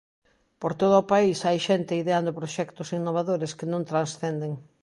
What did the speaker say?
Por todo o país hai xente ideando proxectos innovadores que non transcenden.